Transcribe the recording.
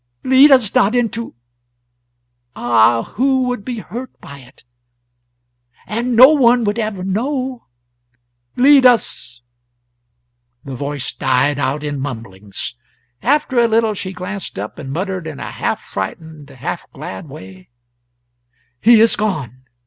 ... Lead us not into ... Ah, who would be hurt by it? and no one would ever know ... Lead us ..." The voice died out in mumblings. After a little she glanced up and muttered in a half frightened, half glad way "He is gone!